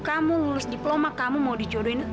kamu lulus diploma kamu mau dijodohin